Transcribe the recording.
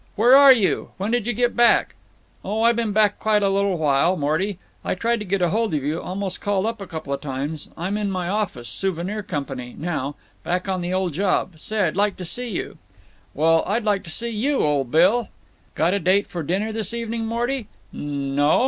Where are you? When'd you get back?" "Oh, I been back quite a little while, Morty. Tried to get hold of you—almost called up couple of times. I'm in my office—Souvenir Company—now. Back on the old job. Say, I'd like to see you." "Well, I'd like to see you, old Bill!" "Got a date for dinner this evening, Morty?" "N no.